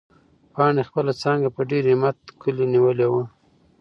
پاڼې خپله څانګه په ډېر همت کلي نیولې وه.